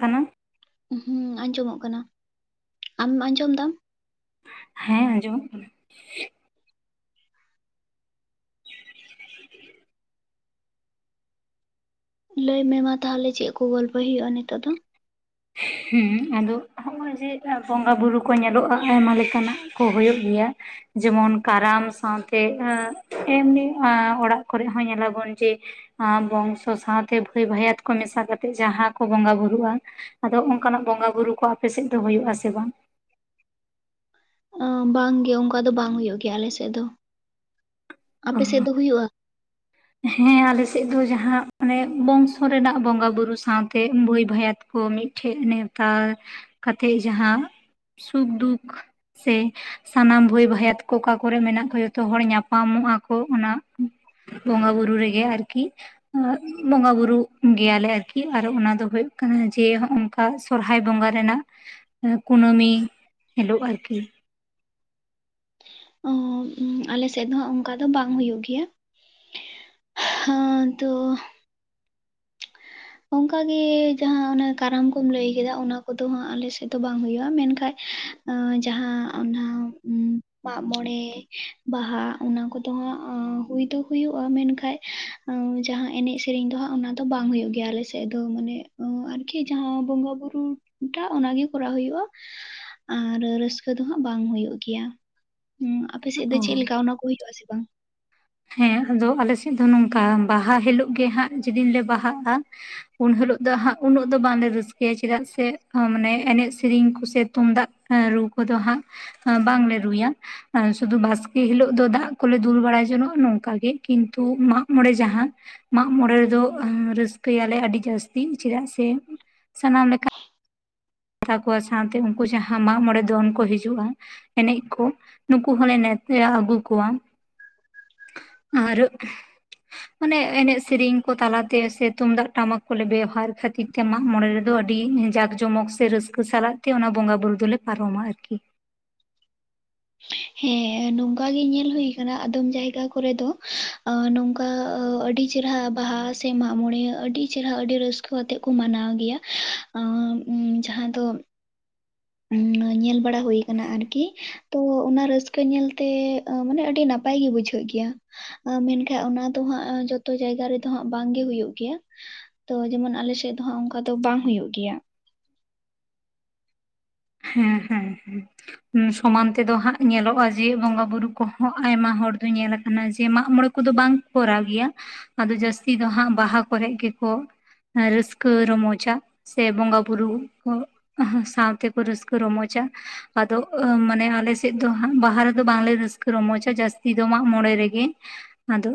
ᱠᱟᱱᱟ ᱦᱩᱸ ᱟᱸᱡᱚᱢᱚᱜ ᱠᱟᱱᱟ ᱟᱢ ᱟᱸᱡᱚᱢ ᱫᱟᱢ ᱦᱮᱸ ᱟᱸᱡᱚᱢᱚᱜ ᱠᱟᱱᱟ ᱞᱟᱹᱭ ᱢᱮ ᱢᱟ ᱛᱟᱦᱚᱞᱮ ᱪᱮᱫ ᱠᱚ ᱜᱚᱞᱯᱚᱭ ᱦᱩᱭᱩᱜᱼᱟ ᱱᱤᱛᱚᱜ ᱫᱚ ᱦᱮᱸ ᱟᱫᱚ ᱦᱚᱸᱜᱼᱚᱭ ᱡᱮ ᱵᱚᱸᱜᱟ ᱵᱩᱨᱩ ᱠᱚ ᱧᱮᱞᱚᱜᱼᱟ ᱟᱭᱢᱟ ᱞᱮᱠᱟᱱᱟᱜ ᱠᱚ ᱦᱩᱭᱩᱜ ᱜᱮᱭᱟ ᱡᱮᱢᱚᱱ ᱠᱟᱨᱟᱢ ᱥᱟᱶᱛᱮ ᱮᱢᱱᱤ ᱚᱲᱟᱜ ᱠᱚᱨᱮᱜ ᱦᱚᱸ ᱧᱮᱞᱟᱵᱚᱱ ᱡᱮ ᱟᱨ ᱵᱚᱝᱥᱚ ᱥᱟᱶᱛᱮ ᱵᱷᱟᱹᱭ ᱵᱷᱟᱭᱟᱛ ᱠᱚ ᱢᱮᱥᱟ ᱠᱟᱛᱮᱫ ᱡᱟᱦᱟᱸ ᱠᱚ ᱵᱚᱸᱜᱟ ᱵᱩᱨᱩᱜᱼᱟ ᱟᱫᱚ ᱚᱱᱠᱟᱱᱟᱜ ᱵᱚᱸᱜᱟ ᱵᱩᱨᱩ ᱠᱚ ᱟᱯᱮᱥᱮᱫ ᱫᱚ ᱦᱩᱭᱩᱜ ᱟᱥᱮ ᱵᱟᱝ ᱟ ᱵᱟᱝ ᱜᱮ ᱚᱱᱠᱟ ᱫᱚ ᱵᱟᱝ ᱦᱩᱭᱩᱜ ᱜᱮᱭᱟ ᱟᱞᱮ ᱥᱮᱫ ᱫᱚ ᱟᱯᱮ ᱥᱮᱫ ᱫᱚ ᱦᱩᱭᱩᱜᱼᱟ ᱦᱮᱸ ᱟᱞᱮᱥᱮᱫ ᱫᱚ ᱡᱟᱦᱟᱸ ᱚᱱᱮ ᱵᱚᱝᱥᱚ ᱨᱮᱱᱟᱜ ᱵᱚᱸᱜᱟ ᱵᱩᱨᱩ ᱥᱟᱶᱛᱮ ᱵᱷᱟᱹᱭ ᱵᱷᱟᱭᱟᱛ ᱠᱚ ᱢᱤᱫᱴᱷᱮᱡ ᱱᱮᱣᱛᱟ ᱠᱟᱛᱮᱫ ᱡᱟᱦᱟᱸ ᱥᱩᱠ-ᱫᱩᱠ ᱥᱮ ᱥᱟᱱᱟᱢ ᱵᱷᱟᱹᱭ ᱵᱷᱟᱭᱟᱛ ᱠᱚ ᱚᱠᱟ ᱠᱚᱨᱮ ᱢᱮᱱᱟᱜ ᱠᱚᱣᱟ ᱡᱷᱚᱛᱚ ᱦᱚᱲ ᱧᱟᱯᱟᱢᱚᱜᱼᱟ ᱠᱚ ᱚᱱᱟ ᱵᱚᱸᱜᱟ ᱵᱩᱨᱩ ᱨᱮᱜᱮ ᱟᱨᱠᱤ ᱵᱚᱸᱜᱟ ᱵᱩᱨᱩᱜ ᱜᱮᱭᱟᱞᱮ ᱟᱨᱠᱤ ᱟᱨ ᱚᱱᱟ ᱫᱚ ᱦᱩᱭᱩᱜ ᱠᱟᱱᱟ ᱡᱮ ᱦᱚᱜ ᱚᱝ ᱠᱟ ᱥᱚᱨᱦᱟᱭ ᱵᱚᱸᱜᱟ ᱨᱮᱱᱟᱜ ᱠᱩᱱᱟᱹᱢᱤ ᱦᱤᱞᱳᱜ ᱟᱨᱠᱤ ᱳ ᱦᱚᱸ ᱟᱞᱮ ᱥᱮᱫ ᱫᱚ ᱦᱟᱸᱜ ᱚᱱᱠᱟ ᱫᱚ ᱵᱟᱝ ᱦᱩᱭᱩᱜ ᱜᱮᱭᱟ ᱦᱟᱸ ᱛᱚ ᱚᱱᱠᱟᱜᱮ ᱡᱟᱦᱟᱸ ᱚᱱᱟ ᱠᱟᱨᱟᱢ ᱠᱚᱢ ᱞᱟᱹᱭ ᱠᱮᱫᱟ ᱚᱱᱟ ᱠᱚᱫᱚ ᱦᱟᱸᱜ ᱟᱞᱮ ᱥᱮᱫ ᱫᱚ ᱵᱟᱝ ᱦᱩᱭᱩᱜᱼᱟ ᱢᱮᱱᱠᱷᱟᱡ ᱡᱟᱦᱟᱸ ᱚᱱᱟ ᱢᱟᱜᱢᱚᱬᱮ, ᱵᱟᱦᱟ ᱚᱱᱟ ᱠᱚᱫᱚ ᱦᱟᱸᱜ ᱦᱩᱭ ᱫᱚ ᱦᱩᱭᱩᱜᱼᱟ ᱢᱮᱱᱠᱷᱟᱱ ᱡᱟᱦᱟᱸ ᱮᱱᱮᱡ ᱥᱮᱨᱮᱧ ᱫᱚ ᱦᱟᱸᱜ ᱚᱱᱟ ᱫᱚ ᱵᱟᱝ ᱦᱩᱭᱩᱜ ᱜᱮᱭᱟ ᱜᱮᱭᱟ ᱟᱞᱮ ᱥᱮᱫ ᱫᱚ ᱢᱟᱱᱮ ᱟᱨᱠᱤ ᱡᱟᱦᱟᱸ ᱵᱚᱸᱜᱟ ᱵᱩᱨᱩ ᱴᱟᱜ ᱚᱱᱟᱜᱮ ᱠᱚᱨᱟᱣ ᱦᱩᱭᱩᱜᱼᱟ ᱟᱨ ᱨᱟᱹᱥᱠᱟᱹ ᱫᱚ ᱦᱟᱸᱜ ᱵᱟᱝ ᱦᱩᱭᱩᱜ ᱜᱮᱭᱟ ᱦᱩᱸ ᱟᱯᱮ ᱥᱮᱜ ᱫᱚ ᱚ ᱪᱮᱫ ᱞᱮᱠᱟ ᱚᱱᱟᱠᱚ ᱦᱩᱭᱩᱜᱼᱟ ᱥᱮ ᱵᱟᱝ ᱦᱮᱸ ᱟᱫᱚ ᱟᱞᱮ ᱥᱮᱫ ᱫᱚ ᱱᱚᱝᱠᱟ ᱵᱟᱦᱟ ᱦᱤᱞᱳᱜ ᱜᱮ ᱦᱟᱸᱜ ᱡᱮᱫᱤᱱ ᱞᱮ ᱵᱟᱦᱟᱜᱼᱟ ᱩᱱ ᱦᱤᱞᱳᱜ ᱫᱚ ᱦᱟᱹᱜ ᱩᱱᱟᱜ ᱫᱚ ᱵᱟᱝᱞᱮ ᱨᱟᱹᱥᱠᱟᱹᱭᱟ ᱪᱮᱫᱟᱜ ᱥᱮ ᱢᱟᱱᱮ ᱮᱱᱮᱡ ᱥᱤᱨᱮᱧ ᱠᱚ ᱥᱮ ᱛᱩᱝᱫᱟᱜ ᱦᱮᱸᱨᱩ ᱠᱚᱫᱚ ᱦᱟᱸᱜ ᱵᱟᱝᱞᱮ ᱨᱩᱭᱟ ᱟᱨ ᱥᱩᱫᱩ ᱵᱟᱥᱠᱮ ᱦᱤᱞᱳᱜ ᱫᱚ ᱫᱟᱜ ᱠᱚᱞᱮ ᱫᱩᱞ ᱵᱟᱲᱟ ᱡᱚᱱᱟᱜ ᱱᱚᱝᱠᱟ ᱜᱮ ᱠᱤᱱᱛᱩ ᱢᱟᱜ ᱢᱚᱬᱮ ᱡᱟᱦᱟᱸ ᱢᱟᱜᱢᱚᱬᱮ ᱨᱮᱫᱚ ᱨᱟᱹᱥᱠᱟᱹᱭᱟᱞᱮ ᱟᱹᱰᱤ ᱡᱟᱹᱥᱛᱤ ᱪᱮᱫᱟᱜ ᱥᱮ ᱥᱟᱱᱟᱢ ᱞᱮᱠᱟ ᱛᱟᱠᱚᱣᱟ ᱥᱟᱶᱛᱮ ᱩᱱᱠᱩ ᱡᱟᱦᱟᱸ ᱢᱟᱜᱢᱚᱬᱮ ᱫᱚᱱ ᱠᱚ ᱦᱤᱡᱩᱜᱼᱟ ᱮᱱᱮᱡ ᱠᱚ ᱱᱩᱠᱩ ᱦᱚᱸᱞᱮ ᱱᱮᱶᱛᱟ ᱟᱹᱜᱩ ᱠᱚᱣᱟ ᱟᱨ ᱟᱱᱮ ᱮᱱᱮᱡ ᱥᱮᱨᱮᱧ ᱠᱚ ᱛᱟᱞᱟᱛᱮ ᱥᱮ ᱛᱩᱢᱫᱟᱜ ᱴᱟᱢᱟᱠ ᱠᱚᱞᱮ ᱵᱮᱣᱦᱟᱨ ᱠᱷᱟᱹᱛᱤᱨ ᱛᱮ ᱢᱟᱜᱢᱚᱬᱮ ᱨᱮᱫᱚ ᱟᱹᱰᱤ ᱡᱟᱸᱠ ᱡᱚᱢᱚᱠ ᱥᱮ ᱨᱟᱹᱥᱠᱟᱹ ᱥᱟᱞᱟᱜ ᱛᱮ ᱚᱱᱟ ᱵᱚᱸᱜᱟ ᱵᱩᱨᱩ ᱫᱚᱞᱮ ᱯᱟᱨᱚᱢᱟ ᱟᱨᱠᱤ ᱦᱮᱸᱦᱮᱸ ᱱᱚᱝᱠᱟᱜᱤ ᱧᱮᱞ ᱦᱩᱭ ᱟᱠᱟᱱᱟ ᱟᱫᱚᱢ ᱡᱟᱭᱜᱟ ᱠᱚᱨᱮ ᱫᱚ ᱱᱚᱝᱠᱟ ᱟᱹᱰᱤ ᱟᱹᱰᱤ ᱪᱮᱨᱦᱟ ᱵᱟᱦᱟ ᱥᱮ ᱢᱟᱜᱢᱚᱬᱮ ᱟᱹᱰᱤ ᱪᱮᱨᱦᱟ ᱟᱹᱰᱤ ᱨᱟᱹᱥᱠᱟᱹ ᱟᱛᱮᱜ ᱠᱚ ᱢᱟᱱᱟᱣ ᱜᱮᱭᱟ ᱡᱟᱦᱟᱸ ᱫᱚ ᱩᱢ [unintelligible] ᱧᱮᱞ ᱵᱟᱲᱟ ᱦᱩᱭ ᱟᱠᱟᱱᱟ ᱟᱨᱠᱤ ᱛᱚ ᱚᱱᱟ ᱨᱟᱹᱥᱠᱟᱹ ᱧᱮᱞᱛᱮ ᱢᱟᱱᱮ ᱟᱹᱰᱤ ᱱᱟᱯᱟᱭ ᱜᱮ ᱵᱩᱡᱷᱟᱹᱜ ᱜᱮᱭᱟ ᱢᱮᱱᱠᱷᱟᱡ ᱚᱱᱟ ᱫᱚ ᱦᱟᱸᱜ ᱡᱚᱛᱚ ᱡᱟᱭᱜᱟ ᱨᱮᱫᱚ ᱦᱟᱸᱜ ᱵᱟᱝᱜᱮ ᱦᱩᱭᱩᱜ ᱜᱮᱭᱟ ᱛᱚ ᱡᱮᱢᱚᱱ ᱟᱞᱮ ᱥᱮᱫ ᱫᱚ ᱦᱟᱸᱜ ᱚᱱᱠᱟ ᱫᱚ ᱵᱟᱝ ᱦᱩᱭᱩᱜ ᱜᱮᱭᱟ ᱦᱩᱸ ᱦᱩᱸ ᱦᱩᱸ ᱦᱩᱸ ᱥᱚᱢᱟᱱ ᱛᱮᱫᱚ ᱦᱟᱸᱜ ᱧᱮᱞᱚᱜᱼᱟ ᱡᱮ ᱵᱚᱸᱜᱟ ᱵᱩᱨᱩ ᱠᱚᱦᱚᱸ ᱟᱭᱢᱟ ᱦᱚᱲ ᱫᱚ ᱧᱮᱞ ᱟᱠᱟᱱᱟ ᱡᱮ ᱢᱟᱜᱢᱚᱬᱮ ᱠᱚᱫᱚ ᱵᱟᱝ ᱠᱚᱨᱟᱣ ᱜᱮᱭᱟ ᱟᱫᱚ ᱡᱟᱹᱥᱛᱤ ᱫᱚ ᱦᱟᱸᱜ ᱵᱟᱦᱟ ᱠᱚᱨᱮᱜ ᱜᱮᱠᱚ ᱨᱟᱹᱥᱠᱟᱹ ᱨᱚᱢᱚᱡᱟ ᱥᱮ ᱵᱚᱸᱜᱟ ᱵᱩᱨᱩ ᱥᱟᱶᱛᱮ ᱨᱟᱹᱥᱠᱟᱹ ᱨᱚᱢᱚᱡᱟ ᱟᱫᱚ ᱢᱟᱱᱮ ᱟᱞᱮ ᱥᱮᱫ ᱫᱚ ᱵᱟᱦᱟ ᱨᱮᱫᱚ ᱵᱟᱝᱞᱮ ᱨᱟᱹᱥᱠᱟᱹ ᱨᱚᱢᱚᱡᱟ ᱡᱟᱹᱥᱛᱤ ᱫᱚ ᱢᱟᱜ ᱢᱚᱬᱮ ᱨᱮᱜᱮ ᱟᱫᱚ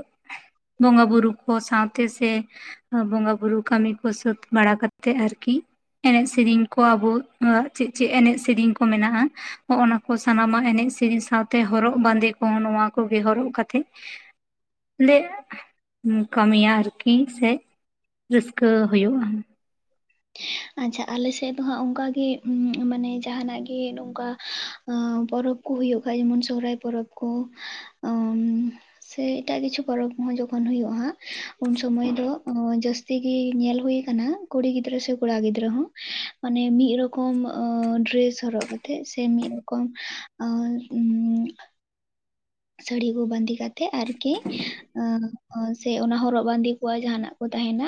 ᱵᱚᱸᱜᱟ ᱵᱩᱨᱩ ᱠᱚ ᱥᱟᱶᱛᱮ ᱥᱮ ᱵᱚᱸᱜᱟ ᱵᱩᱨᱩ ᱠᱟᱹᱢᱤ ᱠᱚ ᱥᱟᱹᱛ ᱵᱟᱲᱟ ᱠᱟᱛᱮᱫ ᱟᱨᱠᱤ ᱮᱱᱮᱡ ᱥᱮᱨᱮᱧ ᱠᱚ ᱟᱵᱚ ᱪᱮᱫ ᱪᱮᱫ ᱮᱱᱮᱡ ᱥᱮᱨᱮᱧ ᱠᱚ ᱢᱮᱱᱟᱜ-ᱟ ᱱᱭᱚᱼᱱᱟ ᱠᱚ ᱥᱟᱱᱟᱢᱟᱜ ᱮᱱᱮᱡ ᱥᱤᱨᱤᱧ ᱥᱟᱶᱛᱮ ᱦᱚᱨᱚᱜ ᱵᱟᱸᱫᱮ ᱠᱚ ᱱᱚᱣᱟ ᱠᱚᱜᱮ ᱦᱚᱨᱚᱜ ᱠᱟᱛᱮᱜ ᱞᱟᱹᱭ ᱢᱮ ᱠᱟᱹᱢᱤᱭᱟ ᱟᱨᱠᱤ ᱥᱮ ᱨᱟᱹᱥᱠᱟᱹ ᱦᱩᱭᱩᱜ-ᱟ ᱟᱪᱪᱷᱟ ᱟᱞᱮ ᱥᱮᱫ ᱫᱚ ᱦᱟᱸᱜ ᱚᱝᱠᱟᱜᱮ ᱢᱟᱱᱮ ᱡᱟᱦᱟᱱᱟᱜ ᱜᱮ ᱱᱚᱝᱠᱟ ᱯᱚᱨᱚᱵᱽ ᱠᱚ ᱦᱩᱭᱩᱜ ᱠᱷᱟᱡ ᱡᱮᱢᱚᱱ ᱥᱚᱦᱚᱨᱟᱭ ᱯᱚᱨᱚᱵᱽ ᱠᱚ ᱥᱮ ᱮᱴᱟᱜ ᱠᱤᱪᱷᱩ ᱯᱚᱨᱚᱵᱽ ᱠᱚ ᱦᱚᱸ ᱡᱚᱠᱷᱚᱱ ᱦᱩᱭᱩᱜ-ᱟ ᱩᱱ ᱥᱚᱢᱚᱭ ᱫᱚ ᱡᱟᱹᱥ ᱼᱛᱤ ᱜᱮ ᱧᱮᱞ ᱦᱩᱭ ᱟᱠᱟᱱᱟ ᱠᱩᱲᱤ ᱜᱤᱫᱽᱨᱟᱹ ᱥᱮ ᱠᱚᱲᱟ ᱜᱤᱫᱽᱨᱟᱹ ᱦᱚᱸ ᱢᱟᱱᱮ ᱢᱤᱫ ᱨᱚᱠᱚᱢ ᱰᱨᱮᱥ ᱦᱚᱨᱚᱜ ᱠᱟᱛᱮᱜ ᱥᱮ ᱢᱤᱫ ᱨᱚᱠᱚᱢ ᱟᱹ ᱩᱸᱻ [unintelligible] ᱥᱟᱹᱲᱤ ᱠᱚ ᱵᱟᱸᱫᱮ ᱠᱟᱛᱮᱜ ᱟᱨᱠᱤ ᱥᱮ ᱚᱱᱟ ᱦᱚᱨᱚᱜ ᱵᱟᱸᱫᱮ ᱠᱚᱣᱟ ᱡᱟᱦᱟᱱᱟᱜ ᱠᱚ ᱛᱟᱦᱮᱱᱟ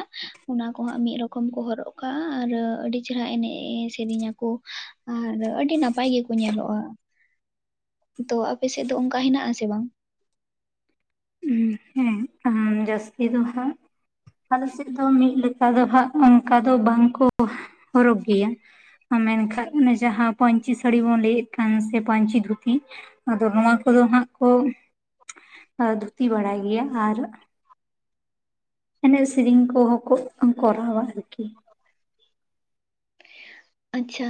ᱚᱱᱟ ᱠᱚᱦᱟᱸᱜ ᱢᱤᱫ ᱨᱚᱠᱚᱢ ᱠᱚ ᱦᱚᱨᱚᱜ ᱠᱟᱜ-ᱟ ᱟᱨ ᱟᱹᱰᱤ ᱪᱮᱨᱦᱟ ᱮᱱᱮᱡ ᱥᱮᱨᱮᱧ ᱟᱠᱚ ᱟᱨ ᱟᱹᱰᱤ ᱱᱟᱯᱟᱭ ᱜᱮᱠᱚ ᱧᱮᱞᱚᱜ-ᱟ ᱛᱚ ᱟᱯᱮ ᱥᱮᱫ ᱫᱚ ᱚᱱᱠᱟ ᱦᱮᱱᱟᱜ ᱟᱥᱮ ᱵᱟᱝ ᱩᱸ ᱦᱩᱸ ᱡᱟᱹᱥᱛᱤ ᱫᱚ ᱦᱟᱸᱜ ᱟᱞᱮᱥᱮᱫ ᱫᱚ ᱢᱤᱫ ᱞᱮᱠᱟ ᱫᱚ ᱦᱟᱸᱜ ᱚᱱᱠᱟ ᱫᱚ ᱵᱟᱝᱠᱚ ᱦᱚᱨᱚᱜᱽ ᱜᱤᱭᱟ ᱢᱮᱱᱠᱷᱟᱡ ᱚᱱᱮ ᱡᱟᱦᱟᱸ ᱯᱟᱹᱧᱪᱤ ᱥᱟᱹᱲᱤ ᱵᱚᱱ ᱞᱟᱹᱭᱮᱫ ᱠᱟᱱ ᱥᱮ ᱯᱟᱹᱧᱪᱤ ᱫᱷᱩᱛᱤ ᱟᱫᱚ ᱱᱚᱣᱟ ᱠᱚᱫᱚ ᱦᱟᱸᱜ ᱠᱚ ᱫᱷᱩᱛᱤ ᱵᱟᱲᱟᱭ ᱜᱮᱭᱟ ᱟᱨ ᱮᱱᱮᱡ ᱥᱤᱨᱤᱧ ᱠᱚᱦᱚᱸ ᱠᱚ ᱠᱚᱨᱟᱣᱟ ᱞᱮᱠᱤᱱ [inaudible] ᱟᱪᱪᱷᱟ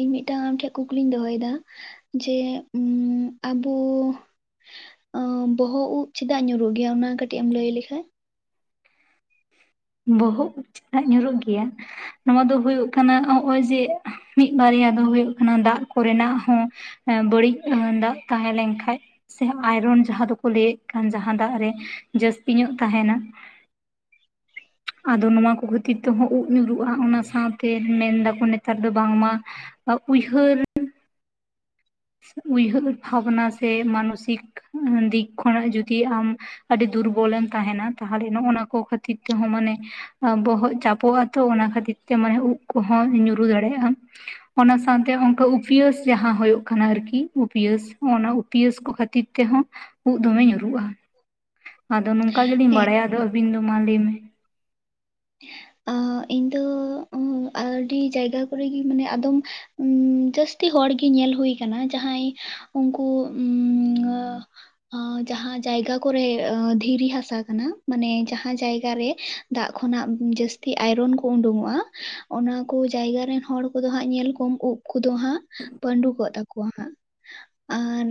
ᱤᱧ ᱢᱤᱫᱴᱟᱝ ᱟᱢ ᱴᱷᱮᱡ ᱠᱩᱠᱞᱤᱧ ᱫᱚᱦᱚ ᱭᱮᱫᱟ ᱡᱮ ᱟᱵᱚ ᱵᱚᱦᱚᱜ ᱩᱵ ᱪᱮᱫᱟᱜ ᱧᱩᱨᱩᱜ ᱜᱮᱭᱟ ᱚᱱᱟ ᱠᱟᱹᱴᱤᱡ ᱮᱢ ᱞᱟᱹᱭ ᱞᱮᱠᱷᱟᱡ ᱵᱚᱦᱚᱜ ᱩᱵ ᱪᱮᱫᱟᱜ ᱧᱩᱨᱩᱜ ᱜᱮᱭᱟ ᱱᱚᱣᱟ ᱫᱚ ᱦᱩᱭᱩᱜ ᱠᱟᱱᱟ ᱱᱚᱜ-ᱚᱭ ᱡᱮ ᱢᱤᱫ ᱵᱟᱨᱭᱟ ᱫᱚ ᱦᱩᱭᱩᱜ ᱠᱟᱱᱟ ᱫᱟᱜ ᱠᱚᱨᱮᱱᱟᱜ ᱦᱚᱸ ᱵᱟᱹᱲᱤᱡ ᱫᱟᱜ ᱛᱟᱦᱮᱸ ᱞᱮᱱᱠᱷᱟᱡ, ᱥᱮ ᱟᱭᱨᱚᱱ ᱡᱟᱦᱟᱸ ᱫᱚᱠᱚ ᱞᱟᱹᱭᱮᱫ ᱠᱟᱱ ᱡᱟᱦᱟᱸ ᱫᱟᱜ ᱨᱮ ᱡᱟᱹᱥᱛᱤ ᱧᱚᱜ ᱛᱟᱦᱮᱱᱟ᱾ ᱟᱫᱚ ᱱᱚᱣᱟ ᱠᱚ ᱠᱷᱟᱹᱛᱤᱨ ᱛᱮᱦᱚᱸ ᱩᱵ ᱧᱩᱨᱩᱜ-ᱟ, ᱚᱱᱟ ᱥᱟᱶᱛᱮ ᱢᱮᱱ ᱫᱟᱠᱚ ᱱᱮᱛᱟᱨ ᱫᱚ ᱵᱟᱝᱢᱟ ᱩᱭᱦᱟᱹᱨ ᱩᱭᱦᱟᱹᱨ ᱵᱷᱵᱽᱱᱟ ᱥᱮ ᱢᱟᱱᱚᱥᱤᱠ ᱫᱤᱠ ᱠᱷᱚᱱᱟᱜ ᱡᱩᱫᱤ ᱟᱢ ᱟᱹᱰᱤ ᱫᱩᱨᱵᱚᱞᱮᱢ ᱛᱟᱦᱮᱱᱟ ᱛᱟᱦᱞᱮ ᱱᱚᱜᱚ ᱱᱟ ᱠᱚ ᱠᱷᱟᱹᱛᱤᱨ ᱛᱮᱦᱚᱸ ᱢᱟᱱᱮ ᱵᱚᱦᱚᱜ ᱪᱟᱯᱚᱜ-ᱟ ᱛᱚ ᱚᱱᱟ ᱠᱷᱟᱹᱛᱤᱨ ᱛᱮ ᱢᱟᱱᱮ ᱩᱵ ᱠᱚᱸᱦᱚᱸ ᱧᱩᱨᱩ ᱫᱟᱲᱮᱭᱟᱜ-ᱟ᱾ ᱚᱱᱟ ᱥᱟᱶᱛᱮ ᱚᱝᱠᱟ ᱩᱯᱤᱭᱟᱹᱥ ᱡᱟᱦᱟᱸ ᱦᱳᱭᱳᱜᱺ ᱠᱟᱱᱟ ᱟᱨᱠᱤ ᱩᱯᱟᱹᱥ ᱚᱱᱟ ᱩᱯᱟᱹᱥ ᱠᱚ ᱠᱷᱟᱹᱛᱤᱨ ᱛᱮᱦᱚᱸ ᱩᱵ ᱫᱚᱢᱮ ᱧᱩᱨᱩᱜ-ᱟ᱾ ᱟᱫᱚ ᱱᱚᱝᱠᱟ ᱜᱮᱞᱤᱧ ᱦᱮᱸ ᱵᱟᱲᱟᱭᱟ ᱟᱫᱚ ᱟᱹᱵᱤᱱ ᱫᱚ ᱢᱟ ᱞᱟᱹᱭ ᱢᱮ᱾ ᱟᱹ ᱤᱧᱫᱚ ᱟᱹᱰᱤ ᱡᱟᱭᱜᱟ ᱠᱚᱨᱮᱜᱤ ᱢᱟᱱᱮ ᱟᱫᱚᱢ ᱡᱟᱹᱥᱛᱤ ᱦᱚᱲᱜᱤ ᱧᱮᱞ ᱦᱩᱭ ᱠᱟᱱᱟ ᱡᱟᱦᱟᱸᱭ ᱩᱝᱠᱩ ᱡᱟᱦᱟᱸ ᱡᱟᱭᱜᱟ ᱠᱚᱨᱮ ᱫᱷᱤᱨᱤ ᱦᱟᱥᱟ ᱠᱟᱱᱟ ᱢᱟᱱᱮ ᱡᱟᱦᱟᱸ ᱡᱟᱭᱜᱟ ᱨᱮ ᱫᱟᱜ ᱠᱷᱚᱱᱟᱜ ᱡᱟᱹᱥ ᱛᱤ ᱟᱭᱨᱚᱱ ᱠᱚ ᱩᱰᱩᱝᱚᱜ-ᱟ ᱚᱱᱟ ᱠᱚ ᱡᱟᱭᱜᱟ ᱨᱮᱱ ᱦᱚᱲ ᱠᱚᱫᱚ ᱦᱟᱸᱜ ᱧᱮᱞ ᱠᱚᱢ ᱩᱵ ᱠᱚᱫᱚ ᱦᱟᱸᱜ ᱯᱟᱹᱰᱩ ᱩᱜᱚ ᱛᱟᱠᱚᱣᱟ ᱦᱟᱸᱜ, ᱟᱨ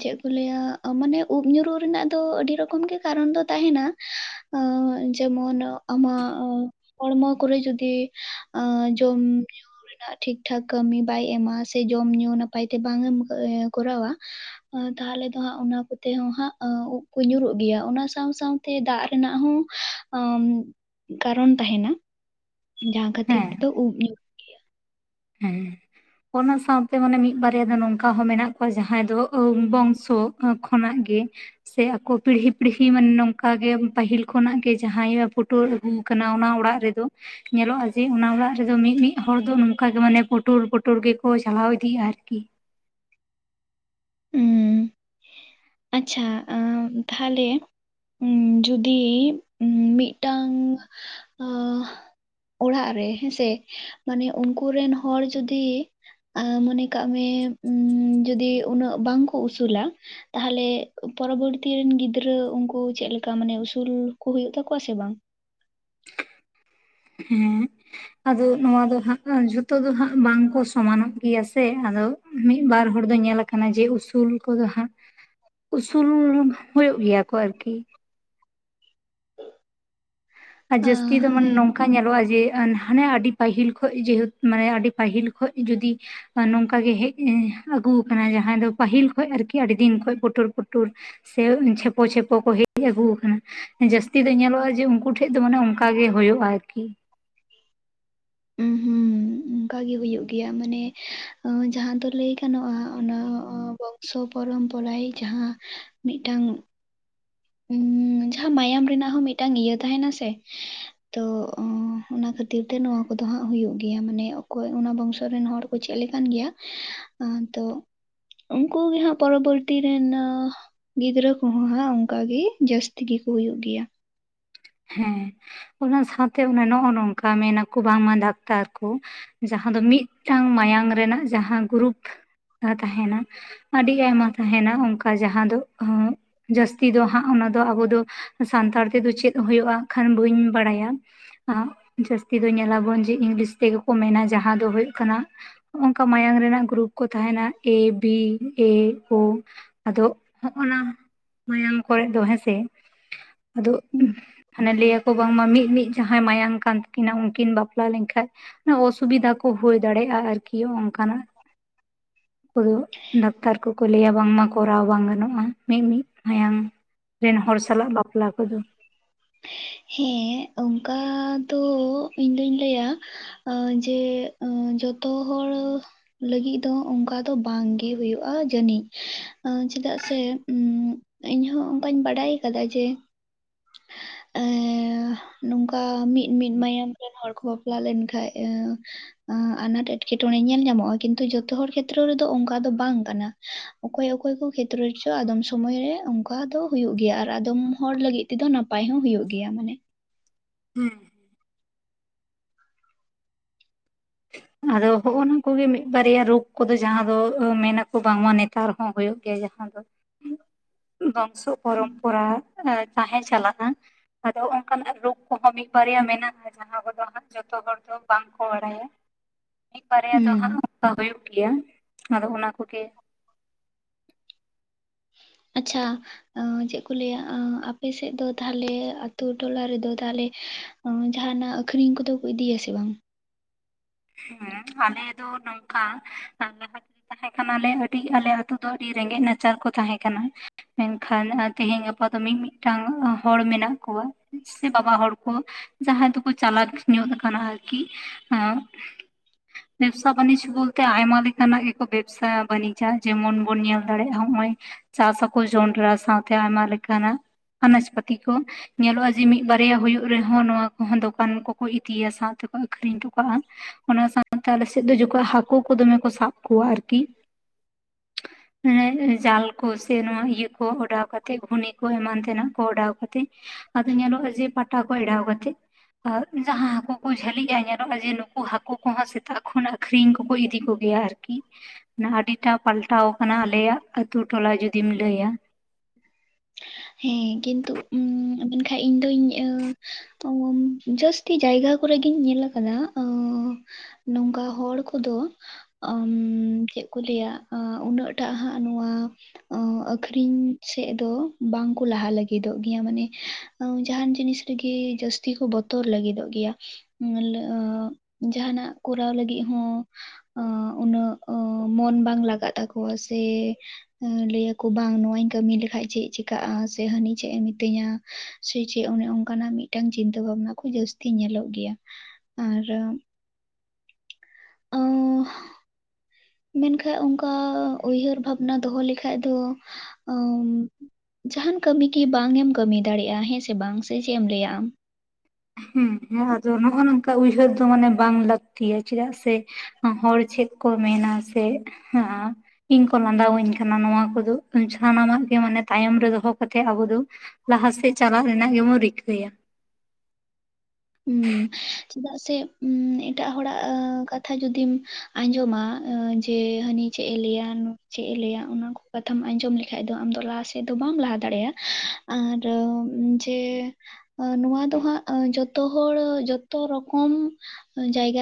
ᱪᱮᱫ ᱠᱚ ᱞᱟᱹᱭᱟ ᱢᱟᱱᱮ ᱩᱵ ᱧᱩᱨᱩ ᱨᱮᱱᱟᱜ ᱫᱚ ᱟᱹᱰᱤ ᱨᱚᱠᱚᱢ ᱜᱮ ᱠᱟᱨᱚᱱ ᱫᱚ ᱛᱟᱦᱮᱱᱟ, ᱡᱮᱢᱚᱱ ᱟᱢᱟᱜ ᱦᱚᱲᱢᱚ ᱠᱚᱨᱮ ᱡᱩᱫᱤ ᱡᱚᱢ ᱧᱩ ᱨᱮᱱᱟᱜ ᱴᱷᱤᱠ ᱴᱷᱟᱠ ᱠᱟᱹᱢᱤ ᱵᱟᱭ ᱮᱢᱟ ᱥᱮ ᱡᱚᱢ ᱧᱩ ᱱᱟᱯᱟᱭ ᱛᱮ ᱵᱟᱝ ᱮᱢ ᱠᱚᱨᱟᱣᱟ᱾ ᱛᱟᱦᱚᱞᱮ ᱫᱚ ᱦᱟᱸᱜ ᱚᱱᱟ ᱠᱚᱛᱮ ᱦᱚᱸ ᱦᱟᱸᱜ ᱩᱵ ᱠᱚ ᱧᱩᱨᱩᱜ ᱜᱮᱭᱟ, ᱚᱱᱟ ᱥᱟᱶ ᱥᱟᱶᱛᱮ ᱛᱮ ᱫᱟᱜ ᱨᱮᱱᱟᱜ ᱦᱚᱸ ᱠᱟᱨᱚᱱ ᱛᱟᱦᱮᱱᱟ᱾ ᱡᱟᱦᱟᱸ ᱠᱷᱟᱹᱛᱤᱨ ᱦᱮᱸ ᱛᱮᱫᱚ ᱩᱵ ᱧᱩᱨᱩ ᱦᱮᱸ ᱚᱱᱟ ᱥᱟᱶᱛᱮ ᱢᱟᱱᱮ ᱢᱤᱫ ᱵᱟᱨᱭᱟ ᱫᱚ ᱱᱚᱝᱠᱟ ᱦᱚᱸ ᱢᱮᱱᱟᱜ ᱠᱚᱣᱟ ᱡᱟᱦᱟᱸᱭ ᱫᱚ ᱵᱚᱝᱥᱚ ᱠᱷᱚᱱᱟᱜ ᱜᱮ, ᱥᱮ ᱟᱠᱚ ᱯᱤᱲᱦᱤ ᱯᱤᱲᱦᱤ ᱢᱟᱱᱮ ᱱᱚᱝᱠᱟᱜ ᱜᱮ ᱯᱟᱹᱦᱤᱞ ᱠᱷᱚᱱᱟᱜ ᱜᱮ ᱡᱟᱦᱟᱸᱭ ᱯᱩᱴᱩᱨ ᱟ ᱜᱩ ᱟᱠᱟᱱᱟ ᱚᱱᱟ ᱚᱲᱟᱜ ᱨᱮᱫᱚ ᱧᱮᱞᱚᱜᱼᱟ ᱡᱮ ᱚᱱᱟ ᱚᱲᱟᱜ ᱨᱮᱫᱚ ᱢᱟ ᱢᱤᱫ ᱦᱚᱲ ᱱᱚᱝ ᱚᱱᱠᱟ ᱜᱮ ᱢᱟᱱᱮ ᱯᱩᱴᱩᱨ ᱯᱩᱴᱩᱨ ᱜᱮᱠᱚ ᱪᱟᱞᱟᱣ ᱤᱫᱤᱜᱼᱟ ᱟᱨᱠᱤ᱾ ᱩᱸ ᱟᱪᱷᱟ ᱛᱟᱦᱚᱞᱮ ᱩ ᱡᱩᱫᱤ ᱩ ᱢᱤᱫᱴᱟᱝ ᱚᱲᱟᱜ ᱨᱮ ᱦᱮᱸᱥᱮ ᱢᱟᱱᱮ ᱩᱱᱠᱩ ᱨᱮᱱ ᱦᱚᱲ ᱡᱩᱫᱤ [unintelligible] ᱢᱚᱱᱮ ᱠᱟᱜ ᱢᱮ ᱡᱚᱫᱤ ᱩᱱᱟᱹᱜ ᱵᱟᱝᱠᱚ ᱩᱥᱩᱞᱟ, ᱛᱟᱦᱚᱞᱮ ᱯᱚᱨᱚᱵᱚᱨᱛᱤ ᱨᱮᱱ ᱜᱤᱫᱽᱨᱟᱹ ᱩᱱᱠᱩ ᱪᱮᱫᱠᱟ ᱢᱟᱱᱮ ᱩᱥᱩᱞ ᱠᱚ ᱦᱩᱭᱩᱜ ᱛᱟᱠᱚᱣᱟ ᱥᱮ ᱵᱟᱝ? ᱦᱮᱸ ᱟᱫᱚ ᱱᱚᱣᱟ ᱫᱚ ᱦᱟᱸᱜ ᱡᱷᱚᱛᱚ ᱫᱚ ᱦᱟᱸᱜ ᱵᱟᱝᱠᱚ ᱥᱚᱢᱟᱱᱚᱜ ᱜᱮᱭᱟ ᱥᱮ ᱟᱫᱚ ᱢᱤᱫᱵᱟᱨ ᱦᱚᱲ ᱫᱚ ᱧᱮᱞᱟ ᱠᱟᱱᱟ ᱡᱮ ᱩᱥᱩᱞ ᱠᱚᱫᱚ ᱦᱟᱸᱜ ᱩᱥᱩᱞ ᱦᱳ ᱜᱮᱭᱟ ᱠᱚ ᱟᱨᱠᱤ᱾ ᱟᱨ ᱟᱸ ᱡᱟᱹᱥᱛᱤ ᱫᱚ ᱢᱟᱱᱮ ᱦᱮᱸ ᱱᱚᱝᱠᱟ ᱚᱱᱠᱟ ᱧᱮᱞᱚᱜᱼᱟ ᱡᱮ ᱦᱟᱱᱮ ᱟᱹᱰᱤ ᱯᱟᱹᱦᱤᱞ ᱠᱷᱚᱡ ᱡᱮᱦᱮ ᱢᱟᱱᱮ ᱟᱹᱰᱤ ᱯᱟᱹᱦᱤᱞ ᱠᱷᱚᱡ ᱡᱩᱫᱤ ᱱᱚᱝᱠᱟᱜᱮ ᱦᱮᱡ ᱟᱹᱜᱩ ᱟᱠᱟᱱᱟ ᱡᱟᱦᱟᱸᱭ ᱫᱚ ᱯᱟᱹᱦᱤᱞ ᱠᱷᱚᱱ ᱟᱨᱠᱤ ᱟᱹᱰᱤ ᱫᱤᱱ ᱠᱷᱚᱱ ᱯᱩᱚᱴᱩᱨ ᱯᱩᱴᱩᱨ ᱥᱮ ᱪᱷᱮᱯᱚ ᱪᱷᱮᱯᱚ ᱠᱚ ᱦᱮᱡ ᱟᱹᱜᱩ ᱟᱠᱟᱱᱟ ᱡᱟᱹᱥᱛᱤ ᱫᱚ ᱧᱮᱞᱚᱜᱼᱟ ᱡᱮ ᱩᱱᱠᱩ ᱴᱷᱮ ᱴᱷᱮᱡ ᱫᱚ ᱢᱟᱱᱮ ᱚᱱᱠᱟ ᱜᱮ ᱦᱩᱭᱩᱜᱼᱟ ᱟᱨᱠᱤ᱾ [unintelligible] ᱚᱱᱠᱟᱜᱤ ᱦᱩᱭᱩᱜ ᱜᱮᱭᱟ ᱢᱟᱱᱮ ᱡᱟᱦᱟᱸ ᱫᱚ ᱞᱟᱹᱭ ᱜᱟᱱᱚᱜᱼᱟ ᱚᱱᱟ ᱵᱚᱝ ᱥᱚ ᱯᱚᱨᱚᱢ ᱯᱚᱨᱟᱭ ᱡᱟᱦᱟᱸ ᱢᱤᱫᱴᱟᱝ [unintelligible] ᱡᱟᱦᱟᱸ ᱢᱟᱭᱟᱢ ᱨᱮᱱᱟᱜ ᱦᱚᱸ ᱢᱤᱫᱴᱟᱝ ᱤᱭᱟᱹ ᱛᱟᱦᱮᱱᱟ ᱥᱮ? ᱛᱚ ᱚᱱᱟ ᱠᱷᱟᱹᱛᱤᱨ ᱛᱮ ᱱᱚᱣᱟ ᱠᱚᱫᱚ ᱦᱟᱸᱜ ᱦᱩᱭᱩᱜ ᱜᱮᱭᱟ ᱢᱟᱱᱮ ᱚᱠᱚᱭ ᱚᱱᱟ ᱵᱚᱝᱥᱚ ᱨᱮᱱ ᱦᱚᱲ ᱠᱚ ᱪᱮᱫ ᱞᱮᱠ ᱜᱮᱭᱟ ᱟᱸ ᱛᱚ ᱩᱱᱠᱩ ᱜᱮ ᱦᱟᱸᱜ ᱯᱚᱨᱚᱵᱚᱨᱛᱤ ᱨᱮᱱ ᱜᱤᱫᱽᱨᱟᱹ ᱠᱚᱦᱚᱸ ᱦᱟᱸᱜ, ᱚᱱᱠᱟ ᱜᱮ ᱡᱟᱹᱥᱛᱤ ᱜᱮᱠᱚ ᱦᱩᱭᱩᱜ ᱜᱮᱭᱟ ᱦᱮᱸ ᱚᱱᱟ ᱥᱟᱶᱛᱮ ᱱᱚᱜᱼᱚ ᱱᱚᱝᱠᱟ ᱢᱮᱱᱟᱠᱚ ᱵᱟᱝᱢᱟ ᱰᱟᱠᱛᱟᱨ ᱠᱚ ᱡᱟᱦᱟᱸ ᱫᱚ ᱢᱤᱫᱴᱟᱝ ᱢᱟᱭᱟᱝ ᱨᱮᱱᱟᱜ ᱡᱟᱦᱟᱸ ᱜᱩᱨᱩᱯ ᱛᱟᱦᱮᱱᱟ ᱟᱹᱰᱤ ᱟᱭᱢᱟ ᱛᱟᱦᱮᱱᱟ ᱚᱱᱠᱟ ᱡᱟᱦᱟᱸ ᱫᱚ ᱡᱟᱹᱥᱛᱤ ᱫᱚ ᱦᱟᱸᱜ ᱚᱱᱟ ᱫᱚ ᱟᱵᱚ ᱫᱚ ᱥᱟᱱᱛᱟᱲ ᱛᱮᱫᱚ ᱪᱮᱫ ᱦᱩᱭᱩᱜᱼᱟ ᱠᱷᱟᱱ ᱵᱟᱹᱧ ᱵᱟᱲᱟᱭᱟ ᱡᱟᱹᱥᱛᱤ ᱫᱚ ᱧᱮᱞᱟᱵᱚᱱ ᱡᱮ ᱤᱝᱞᱤᱥ ᱛᱮᱜᱮ ᱠᱚ ᱢᱮᱱᱟ ᱡ ᱡᱟᱦᱟᱸᱟᱸ ᱫᱚ ᱦᱳᱜ ᱠᱟᱱᱟ ᱠᱟ ᱢᱟᱭᱟᱝ ᱨᱮᱱᱟᱜ ᱜᱨᱩᱯ ᱠᱚ ᱛᱟᱦᱮᱱᱟ ᱮ ᱵᱤ ᱮ ᱳ ᱟᱫᱚ ᱦᱚᱜ ᱱᱟ ᱢᱟᱭᱟᱝ ᱠᱚᱨᱮ ᱫᱚ ᱦᱮᱸᱥᱮ ᱟᱫᱚ ᱢᱟᱱᱮ ᱞᱟᱹᱭᱟᱠᱚ ᱵᱟᱝᱢᱟ ᱢᱤᱫ ᱢᱤᱫ ᱡᱟᱦᱟᱸᱭ ᱢᱟᱭᱟᱝ ᱠᱟᱱ ᱛᱟᱹᱠᱤᱱᱟ ᱩᱱᱠᱤᱱ ᱵᱟᱯᱞᱟ ᱞᱮᱱᱠᱟᱱ ᱚᱥᱩᱵᱤᱫᱷᱟ ᱠᱚ ᱦᱩᱭ ᱫᱟᱲᱮᱭᱟᱜᱼᱟ ᱟᱨᱠᱤ ᱚᱱᱠᱟᱱᱟᱜ ᱠᱚᱫᱚ ᱰᱟᱠᱛᱟᱨ ᱠᱚᱠᱚ ᱞᱟᱹᱭᱟ ᱵᱟᱝᱢᱟ ᱠᱚᱨᱟᱣ ᱵᱟᱝ ᱜᱟᱱᱚᱜᱼᱟ ᱢᱤᱫᱢᱤᱫ ᱢᱟᱭᱟᱝ ᱨᱮᱱ ᱦᱚᱲ ᱥᱟᱞᱟᱜ ᱵᱟᱯᱞᱟ ᱠᱚᱫᱚ ᱦᱮᱸ ᱚᱱᱠᱟ ᱫᱚ ᱤᱧᱫᱩᱧ ᱞᱟᱹᱭᱟ ᱡᱮ ᱡᱚᱛᱚ ᱦᱚᱲ ᱞᱟᱹᱜᱤᱫ ᱫᱚ ᱚᱱᱠᱟ ᱫᱚ ᱵᱟᱝᱜᱮ ᱦᱩᱭᱩᱜᱼᱟ ᱡᱟᱹᱱᱤᱡ ᱪᱮᱫᱟᱜ ᱥᱮ ᱤᱧᱦᱚᱸ ᱚᱱᱠᱟᱧ ᱵᱟᱰᱟᱭ ᱟᱠᱟᱫᱟ ᱡᱮ ᱮ ᱱᱚᱝᱠᱟ ᱢᱤᱫ ᱢᱤᱫᱤᱫ ᱢᱟᱭᱟᱢ ᱨᱮᱱ ᱦᱚᱲ ᱠᱚ ᱵᱟᱯᱞᱟ ᱞᱮᱱᱠᱷᱟᱡ ᱟᱱᱟᱴ ᱮᱸᱴᱠᱮᱴᱚᱬᱮ ᱧᱮᱞ ᱧᱟᱢᱚᱜᱼᱟ ᱠᱤᱱᱛᱩ ᱡᱚᱛᱚ ᱦᱚᱲ ᱠᱷᱮᱛᱨᱚ ᱨᱮᱫᱚ ᱚᱱᱠᱟ ᱫᱚ ᱵᱟᱝ ᱠᱟᱱᱟ ᱚᱠᱚᱭ ᱚᱠᱚᱭ ᱠᱚ ᱠᱷᱮᱛᱨᱮ ᱨᱮᱪᱚ ᱟᱫᱚᱢ ᱥᱚᱢᱚᱭ ᱨᱮ ᱚᱱᱠᱟ ᱫᱚ ᱦᱩᱭᱩᱜ ᱜᱮᱭᱟ ᱟᱨ ᱟᱫᱚᱢ ᱦᱚᱲ ᱞᱟᱹᱜᱤᱫ ᱛᱮᱫᱚ ᱱᱟᱯᱟᱭ ᱦᱚᱸ ᱦᱩᱭᱩᱜ ᱜᱮᱭᱟ ᱢᱟᱱᱮ [unintelligible] ᱟᱫᱚ ᱦᱚᱜᱼᱱᱩᱠᱩ ᱜᱮ ᱢᱤᱫ ᱵᱟᱨᱭᱟ ᱨᱩᱯ ᱠᱚᱫᱚ ᱡᱟᱦᱟᱸ ᱫᱚ ᱢᱮᱱᱟ ᱠᱚ ᱵᱟᱝ ᱢᱟ ᱱᱮᱛᱟᱨ ᱦᱚᱸ ᱦᱩᱭᱩᱜ ᱜᱮᱭᱟ ᱡᱟᱦᱟᱸ ᱫᱚ [inaudible] ᱵᱚᱝᱥᱚ ᱯᱚᱨᱚᱢᱯᱚᱨᱟ ᱛᱟᱦᱮᱸ ᱪᱟᱞᱟᱜᱼᱟ ᱟᱫᱚ ᱚᱱᱠᱟ ᱱᱟᱜ ᱨᱳᱜ ᱠᱚᱦᱚᱸ ᱢᱤᱫ ᱵᱟᱨᱭᱟ ᱢᱮᱱᱟᱜᱼᱟ ᱡᱟᱦᱟᱸ ᱠᱚᱫᱚ ᱦᱟᱸᱜ ᱡᱚᱛᱚ ᱦᱚᱲ ᱫᱚ ᱵᱟᱝ ᱠᱚ ᱵᱟᱰᱟᱭᱟ ᱢᱤᱫ ᱵᱟᱨᱭᱟ ᱫᱚ ᱦᱩᱸ ᱦᱟᱸᱜ ᱚᱱᱠᱟ ᱦᱩᱭᱩᱜ ᱜᱮᱭᱟ ᱟᱫᱚ ᱚᱱᱟ ᱠᱚ ᱜᱮ ᱟᱪᱪᱷᱟ ᱟᱺ ᱪᱮᱫ ᱠᱚ ᱞᱟᱹᱭᱟ ᱟᱺ ᱟᱯᱮ ᱥᱮᱫ ᱫᱚ ᱛᱟᱦᱞᱮ ᱟ ᱟᱹᱛᱩ ᱴᱚᱞᱟ ᱨᱮᱫᱚ ᱛᱟᱦᱞᱮ ᱡᱟᱦᱟᱸ ᱱᱟᱜ ᱟᱹᱠᱷᱨᱤᱧ ᱠᱚᱫᱚ ᱠᱚ ᱤᱫᱤ ᱭᱟᱥᱮ ᱵᱟᱝ ᱦᱮᱸ ᱟᱞᱮ ᱫᱚ ᱱᱚᱝᱠᱟ ᱟᱨ ᱞᱟᱦᱟ ᱛᱮ ᱛᱟᱦᱮᱸ ᱠᱟᱱᱟ ᱞᱮ ᱟᱹᱰᱤ ᱟᱞᱮ ᱟᱹᱛᱩ ᱫᱚ ᱟᱹᱰᱤ ᱨᱮᱸᱜᱮᱡ ᱱᱟᱪᱟᱨ ᱠᱚ ᱛᱟᱦᱮᱸ ᱠᱟᱱᱟ ᱢᱮᱱ ᱠᱷᱟᱱ ᱛᱮᱦᱮᱧ ᱜᱟᱯᱟ ᱫᱚ ᱢᱤ-ᱢᱤᱫ ᱴᱟᱹᱝ ᱦᱚᱲ ᱢᱮᱱᱟᱜ ᱠᱚᱣᱟ ᱥᱮ ᱵᱟᱵᱟ ᱦᱚᱲ ᱠᱚ ᱡᱟᱦᱟᱸᱭ ᱫᱚ ᱠᱚ ᱪᱟᱞᱟᱠ ᱧᱚᱜ ᱟᱠᱟᱱᱟ ᱟᱨ ᱠᱤ [inaudible] ᱵᱮᱵᱽᱥᱟ ᱵᱟᱹᱱᱤᱡᱽ ᱵᱚᱞᱛᱮ ᱟᱭᱢᱟ ᱞᱮᱠᱟ ᱱᱟᱜ ᱜᱮ ᱠᱚ ᱵᱮᱵᱽᱥᱟ ᱵᱟᱹᱱᱤᱡᱟ ᱡᱮᱢᱚᱱ ᱵᱚᱱ ᱧᱮᱞ ᱫᱟᱲᱮᱭᱟᱜᱼᱟ ᱱᱚᱜᱼᱚᱭ ᱪᱟᱥ ᱟᱠᱚ ᱡᱚᱱᱰᱨᱟ ᱥᱟᱶᱛᱮ ᱟᱭᱢᱟ ᱞᱮᱠᱟ ᱱᱟᱜ ᱟᱱᱟᱡᱽ ᱯᱟᱹᱛᱤ ᱠᱚ ᱧᱮᱞᱚᱜᱼᱟ ᱡᱮ ᱢᱤᱫ ᱵᱟᱨᱭᱟ ᱦᱩᱭᱩᱜ ᱨᱮᱦᱚᱸ ᱱᱚᱶᱟ ᱠᱚᱦᱚᱸ ᱫᱚᱠᱟᱱ ᱠᱚ ᱠᱚ ᱤᱫᱤᱭᱟ ᱥᱟᱶᱛᱮ ᱠᱚ ᱟᱹᱷᱨᱤᱧ ᱦᱚᱴᱚ ᱠᱟᱜᱼᱟ ᱚᱱᱟ ᱥᱟᱶᱛᱮ ᱟᱞᱮ ᱥᱮᱫ ᱫᱚ ᱡᱚᱠᱷᱚᱡ ᱦᱟᱹᱠᱩ ᱠᱚ ᱫᱚᱢᱮ ᱠᱚ ᱥᱟᱵ ᱠᱚᱣᱟ ᱟᱨᱠᱤ [inaudible] ᱡᱟᱞ ᱠᱚ ᱥᱮ ᱱᱚᱣᱟ ᱤᱭᱟᱹ ᱠᱚ ᱚᱰᱟᱣ ᱠᱟᱛᱮᱜ ᱜᱷᱩᱱᱤ ᱠᱚ ᱮᱢᱟᱱ ᱛᱮ ᱱᱟᱜ ᱠᱚ ᱚᱰᱟᱣ ᱠᱟᱛᱮᱜ ᱟᱫᱚ ᱧᱮᱞᱚᱜᱼᱟ ᱡᱮ ᱯᱟᱴᱟ ᱠᱚ ᱮᱰᱟᱣ ᱠᱟᱛᱮᱜ ᱡᱟᱦᱟᱸ ᱦᱟᱹᱠᱩ ᱠᱚ ᱡᱷᱟᱹᱞᱤᱜᱼᱟ ᱧᱮᱞᱚᱜᱼᱟ ᱡᱮ ᱩᱱᱠᱩ ᱦᱟᱹᱠᱩ ᱠᱚᱦᱚᱸ ᱥᱮᱛᱟᱜ ᱠᱷᱚᱱ ᱟᱹᱠᱷᱨᱤᱧ ᱠᱚᱠᱚ ᱤᱫᱤ ᱠᱚ ᱜᱮᱭᱟ ᱟᱨᱠᱤ ᱟᱹᱰᱤ ᱴᱟ ᱯᱟᱞᱴᱟᱣ ᱟᱠᱟᱱᱟ ᱟᱞᱮ ᱭᱟᱜ ᱟᱹᱛᱩ ᱴᱚᱞᱟ ᱡᱩᱫᱤᱢ ᱞᱟᱹᱭᱟ ᱦᱮᱸ ᱠᱤᱱᱛᱩ ᱢᱮᱱᱠᱷᱟᱡ ᱤᱧ ᱫᱚ [unintelligible] ᱡᱟᱹᱥᱛᱤ ᱡᱟᱭᱜᱟ ᱠᱚ ᱨᱮ ᱜᱤᱧ ᱧᱮᱞ ᱠᱟᱫᱟ ᱟᱹᱻ ᱱᱚᱝᱠᱟ ᱦᱚᱲ ᱠᱚ ᱫᱚ ᱟᱹᱢᱻ ᱪᱮᱫ ᱠᱚ ᱞᱟᱹᱭᱟ ᱩᱱᱟᱹᱜ ᱴᱟᱜ ᱦᱟᱸᱜ ᱱᱚᱣᱟ ᱟᱹᱠᱷᱨᱤᱧ ᱥᱮᱫ ᱫᱚ ᱵᱟᱝ ᱠᱚ ᱞᱟᱦᱟ ᱞᱟᱹᱜᱤᱫᱚᱜ ᱜᱮᱭᱟ ᱢᱟᱱᱮ ᱡᱟᱦᱟᱱ ᱡᱤᱱᱤᱥ ᱨᱮ ᱜᱮ ᱡᱟᱹᱥᱛᱤ ᱠᱚ ᱵᱚᱛᱚᱨ ᱞᱟᱹᱜᱤᱫᱚᱜ ᱜᱮᱭᱟ [unintelligible] ᱡᱟᱦᱟᱸ ᱱᱟᱜ ᱠᱚᱨᱟᱣ ᱞᱟᱹᱜᱤᱫ ᱦᱚᱸ ᱩᱱᱟᱹᱜ ᱢᱚᱱ ᱵᱟᱝ ᱞᱟᱜᱟᱜ ᱛᱟᱠᱚᱣᱟ ᱥᱮ ᱞᱟᱹᱭᱟ ᱠᱚ ᱵᱟᱝ ᱱᱚᱣᱟᱹᱧ ᱠᱟᱹᱢᱤ ᱞᱮᱠᱷᱟᱡ ᱪᱮᱫ ᱪᱤᱠᱟᱹ [unintelligible] ᱥᱮ ᱦᱟᱹᱱᱤ ᱪᱮᱫ ᱮ ᱢᱤᱛᱟᱹᱧᱟ ᱥᱮ ᱪᱮᱫ ᱚᱱᱮ ᱚᱱᱠᱟ ᱱᱟᱜ ᱢᱤᱫᱴᱟᱹᱝ ᱪᱤᱱᱛᱟᱹ ᱵᱷᱟᱵᱽᱱᱟ ᱠᱚ ᱡᱟᱹᱥ ᱛᱤ ᱧᱮᱞᱚᱜ ᱜᱮᱭᱟ ᱟᱨ ᱟᱺᱻ ᱢᱮᱱ ᱠᱷᱟᱡ ᱚᱱᱠᱟ ᱩᱭᱦᱟᱹᱨ ᱵᱷᱟᱵᱽᱱᱟ ᱫᱚᱦᱚ ᱞᱮᱠᱷᱟᱡ ᱫᱚ ᱟᱹᱢᱻ ᱡᱟᱦᱟᱱ ᱠᱟᱹᱢᱤ ᱜᱮ ᱵᱟᱝ ᱮᱢ ᱠᱟᱹᱢᱤ ᱫᱟᱲᱮᱭᱟᱜᱼᱟ ᱦᱮᱸ ᱥᱮ ᱵᱟᱝ ᱥᱮ ᱪᱮᱫ ᱮᱢ ᱞᱟᱹᱭᱟ ᱟᱢ? ᱦᱩᱸ ᱱᱚᱣᱟ ᱫᱚ ᱱᱚᱜᱼᱱᱚᱝᱠᱟ ᱩᱭᱦᱟᱹᱨ ᱫᱚ ᱢᱟᱱᱮ ᱵᱟᱝ ᱞᱟᱹᱠᱛᱤᱭᱟ ᱪᱮᱫᱟᱜ ᱥᱮ ᱦᱚᱲ ᱪᱮᱫ ᱠᱚ ᱢᱮᱱᱟ ᱥᱮ ᱦᱟᱸ ᱤᱧ ᱠᱚ ᱞᱟᱸᱫᱟᱣᱟᱹᱧ ᱠᱟᱱᱟ ᱱᱚᱣᱟ ᱠᱚ ᱫᱚ ᱥᱟᱱᱟᱢ ᱟᱜ ᱜᱮ ᱢᱟᱱᱮ ᱛᱟᱭᱚᱢ ᱨᱮ ᱫᱚᱦᱚ ᱠᱟᱛᱮᱜ ᱟᱵᱚ ᱫᱚ᱾ ᱞᱟᱦᱟ ᱥᱮᱫ ᱪᱟᱞᱟᱜ ᱨᱮᱱᱟᱜ ᱜᱮ ᱵᱚᱱ ᱨᱤᱠᱟᱹᱭᱟ᱾ [unintelligible] ᱪᱮᱫᱟᱜ ᱥᱮ ᱮᱴᱟᱜ ᱦᱚᱲᱟᱜ ᱠᱟᱛᱷᱟ ᱡᱩᱫᱤᱢ ᱟᱸᱡᱚᱢᱟ ᱡᱮ ᱦᱟᱹᱱᱤ ᱪᱮᱫ ᱮ ᱞᱟᱹᱭᱟ ᱪᱮᱫ ᱮ ᱞᱟᱹᱭᱟ ᱚᱱᱟ ᱠᱚ ᱠᱟᱛᱷᱟᱢ ᱟᱸᱡᱚᱢ ᱞᱮᱠᱷᱟᱡ ᱫᱚ ᱟᱢ ᱫᱚ ᱞᱟᱦᱟ ᱥᱮᱫ᱾ [unintelligible] ᱵᱟᱢ ᱞᱟᱦᱟ ᱫᱟᱲᱮᱭᱟᱜᱼᱟ ᱟᱨ ᱡᱮ ᱱᱚᱣᱟ ᱫᱚ ᱦᱟᱸᱜ ᱡᱚᱛᱚ ᱦᱚᱲ ᱡᱚᱛᱚ ᱨᱚᱠᱚᱢ ᱡᱟᱭᱜᱟ᱾